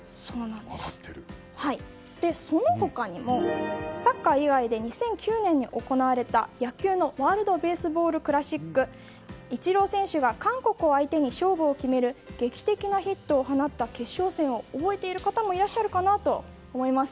その他にもサッカー以外で２００９年に行われた野球のワールド・ベースボール・クラシックイチロー選手が韓国を相手に勝負を決める劇的なヒットを放った決勝戦を覚えている方もいらっしゃるかなと思います。